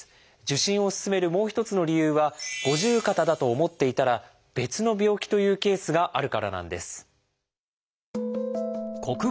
受診を勧めるもう一つの理由は五十肩だと思っていたら別の病気というケースがあるからなんです。